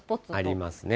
ありますね。